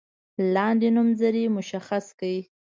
لاندې نومځري مشخص کړئ.